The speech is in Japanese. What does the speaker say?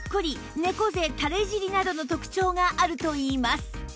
猫背たれ尻などの特徴があるといいます